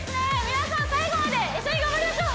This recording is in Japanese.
皆さん最後まで一緒に頑張りましょう！